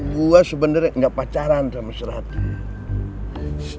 gue sebenernya gak pacaran sama si ratih